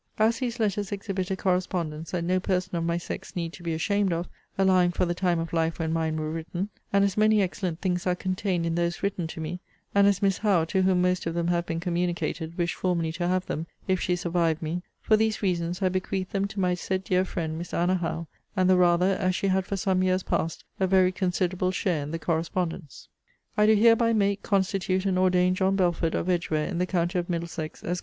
As these letters exhibit a correspondence that no person of my sex need to be ashamed of, allowing for the time of life when mine were written; and as many excellent things are contained in those written to me; and as Miss Howe, to whom most of them have been communicated, wished formerly to have them, if she survived me: for these reasons, I bequeath them to my said dear friend, Miss Anna Howe; and the rather, as she had for some years past a very considerable share in the correspondence. I do hereby make, constitute, and ordain John Belford, of Edgware, in the county of Middlesex, Esq.